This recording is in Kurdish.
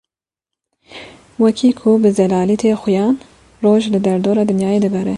Wekî ku bi zelalî tê xuyan Roj li derdora Dinyayê digere.